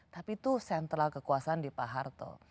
tapi itu sentral kekuasaan di pak harto